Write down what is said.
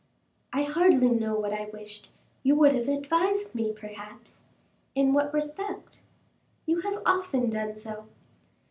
"I hardly know what I wished: you would have advised me perhaps." "In what respect?" "You have often done so."